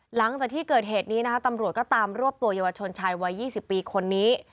หลังจากที่เกิดเหตุนี้นะคะตำรวจก็ตามรวบตัวเยาวชนชายวัย๒๐ปีคนนี้